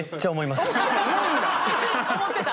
思ってた。